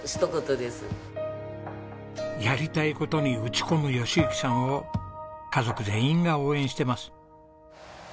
やりたい事に打ち込む喜行さんを家族全員が応援してます。